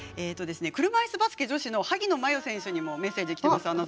車いすバスケット女子の萩野真世選手にもメッセージきてます。